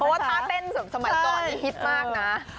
เพราะว่าท่าเต้นสมัยก่อนนี่ฮิตมากนะ